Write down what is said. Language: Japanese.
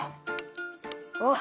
あっ！